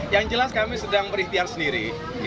yang jelas kami sedang berikhtiar sendiri